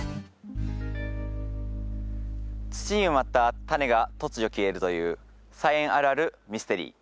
土に埋まったタネが突如消えるという菜園あるあるミステリー。